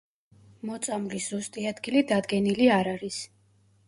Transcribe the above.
მოწამვლის ზუსტი ადგილი დადგენილი არ არის.